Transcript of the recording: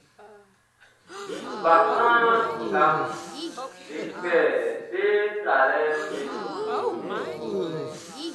Bakannganʼm be kpɛ be tralɛʼm be nun.